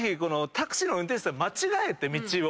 タクシーの運転手さん間違えて道を。